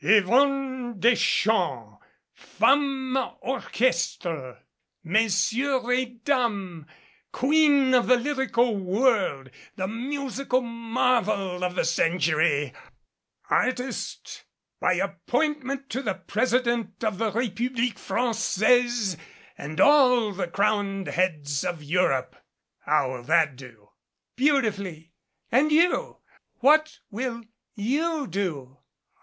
Yvonne Deschamps Femme Or 136 VAGABONDIA chestre, Messieurs et Dames, queen of the lyrical world, the musical marvel of the century, artist by appointment to the President of the Republique Francaise and all the crowned heads of Europe. How will that do?" "Beautifully. And you what will you do?"